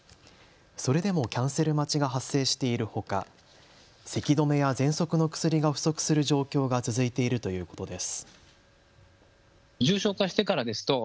それでもキャンセル待ちが発生しているほか、せき止めやぜんそくの薬が不足する状況が続いているということです。